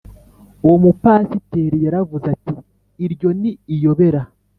Uwo mupasiteri yaravuze ati iryo ni iyobera